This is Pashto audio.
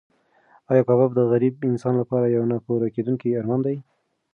ایا کباب د غریب انسان لپاره یو نه پوره کېدونکی ارمان دی؟